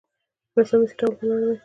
رسامي څه ډول هنر دی؟